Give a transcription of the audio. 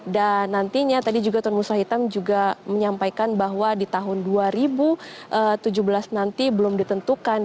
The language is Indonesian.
dan nantinya tadi juga tun musa hitam juga menyampaikan bahwa di tahun dua ribu tujuh belas nanti belum ditentukan